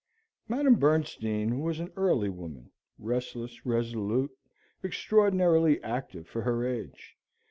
Madam Bernstein was an early woman, restless, resolute, extraordinarily active for her age.